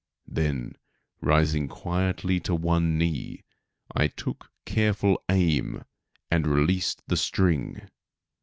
Then, rising quietly to one knee, I took careful aim and released the string.